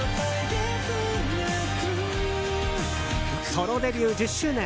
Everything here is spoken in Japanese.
ソロデビュー１０周年。